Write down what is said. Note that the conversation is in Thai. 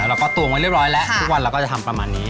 เราก็ตวงไว้เรียบร้อยแล้วทุกวันเราก็จะทำประมาณนี้